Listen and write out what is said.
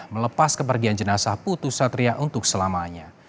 melepas kepergian jenasa putus satria untuk selamanya